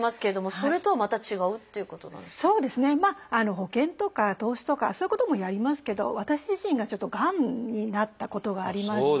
保険とか投資とかそういうこともやりますけど私自身ががんになったことがありまして。